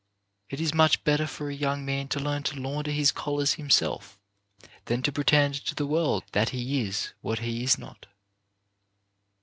It is much better for a young man to learn to launder his collars himself, than to pretend to the world that he is what he is not.